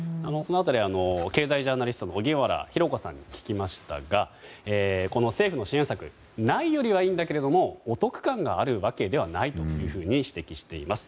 経済ジャーナリストの荻原博子さんに聞きましたが政府の支援策ないよりはいいけれどお得感があるわけではないと指摘しています。